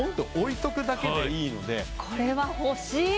これは欲しい。